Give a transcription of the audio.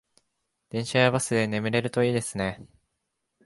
電車やバスで眠れるといいですね